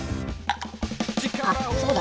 あそうだ。